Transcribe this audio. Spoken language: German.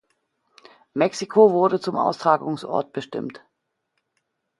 Mexiko wurde zum Austragungsort bestimmt.